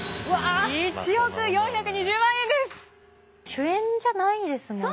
主演じゃないですもんね。